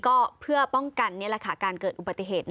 ก็เพื่อป้องกันการเกิดอุบัติเหตุ